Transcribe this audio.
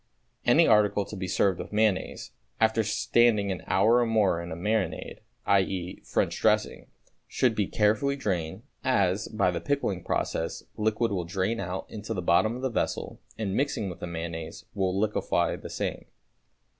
Any article to be served with mayonnaise, after standing an hour or more in a marinade, i.e., French dressing, should be carefully drained, as, by the pickling process, liquid will drain out into the bottom of the vessel and, mixing with the mayonnaise, will liquefy the same.